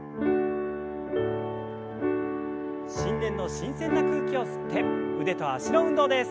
新年の新鮮な空気を吸って腕と脚の運動です。